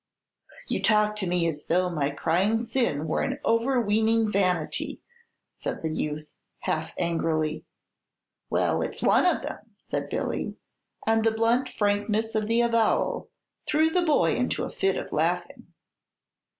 "You talk to me as though my crying sin were an overweening vanity," said the youth, half angrily. "Well, it's one of them," said Billy; and the blunt frankness of the avowal threw the boy into a fit of laughing.